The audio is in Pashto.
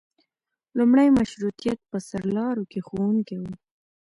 لومړي مشروطیت په سرلارو کې ښوونکي وو.